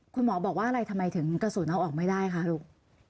คุณหมอบอกว่าอะไรทำไมถึงกระสุนเอาออกไม่ได้คะลูก